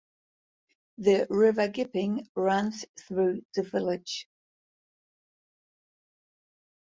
The River Gipping runs through the village.